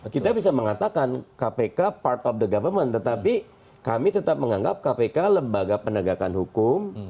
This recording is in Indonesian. kita bisa mengatakan kpk part of the government tetapi kami tetap menganggap kpk lembaga penegakan hukum